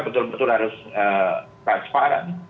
betul betul harus transparan